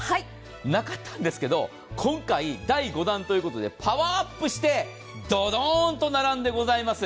なかったんですけど、今回、第５弾ということでパワーアップしてドドーンと並んでございます。